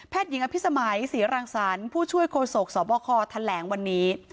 หญิงอภิษมัยศรีรังสรรค์ผู้ช่วยโฆษกสบคแถลงวันนี้